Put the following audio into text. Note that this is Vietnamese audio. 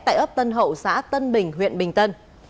tại ấp tân hậu xã tân bình huyện bình tân